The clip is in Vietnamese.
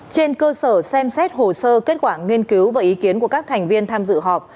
trên cơ sở xem xét hồ sơ kết quả nghiên cứu và ý kiến của các thành viên tham dự họp